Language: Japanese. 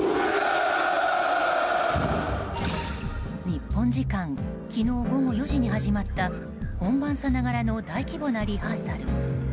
日本時間昨日午後４時に始まった本番さながらの大規模なリハーサル。